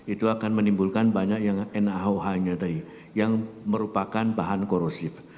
itu akan menimbulkan banyak yang naoh nya tadi yang merupakan bahan korosif